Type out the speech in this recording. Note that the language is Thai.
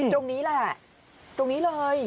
ตรงนี้แหละตรงนี้เลย